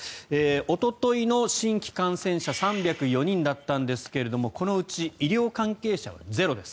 おとといの新規感染者３０４人だったんですがこのうち医療関係者はゼロです。